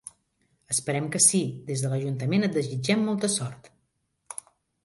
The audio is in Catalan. Esperem que sí, des de l'ajuntament et desitgem molta sort.